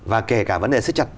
và kể cả vấn đề xích chặt